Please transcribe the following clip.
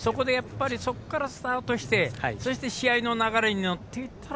そこからスタートして試合の流れに乗っていったら